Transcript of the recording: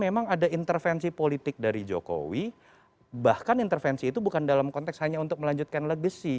memang ada intervensi politik dari jokowi bahkan intervensi itu bukan dalam konteks hanya untuk melanjutkan legacy